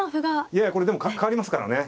いやいやこれでも変わりますからね。